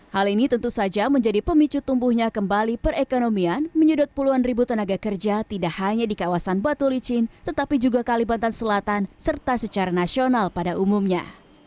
hal ini tentu saja menjadi pemicu tumbuhnya kembali perekonomian menyedot puluhan ribu tenaga kerja tidak hanya di kawasan batu licin tetapi juga kalimantan selatan serta secara nasional pada umumnya